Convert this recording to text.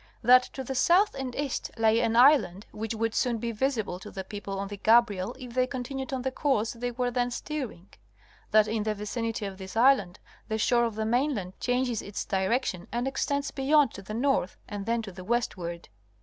; that to the south and east lay anisland which would soon be visible to the people on the Gabriel if they continued on the course they were then steering ; that in the vicinity of this island the shore of the mainland changes its direction and extends beyond to the north and then to the westward (B.